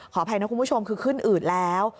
อภัยนะคุณผู้ชมคือขึ้นอืดแล้ว